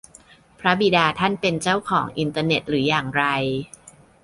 พระบิดาท่านเป็นเจ้าของอินเทอร์เน็ตหรืออย่างไร ?